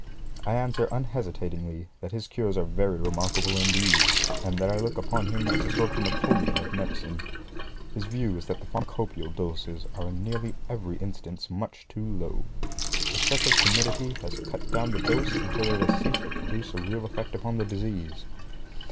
I answer unhesitatingly, that his cures are very remarkable, indeed, and that I look upon him as a sort of Napoleon of medicine. His view is that the pharmacopaeal doses are in nearly every instance much too low. Excessive timidity has cut down the dose until it has ceased to produce a real effect upon the disease.